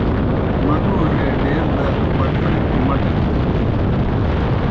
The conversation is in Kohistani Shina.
منُوڙے ڈیر دہ پٹَھوئی کِمٹہ گہ بینَن۔